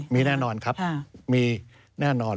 มีแน่นอนครับมีแน่นอน